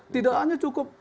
tidak hanya cukup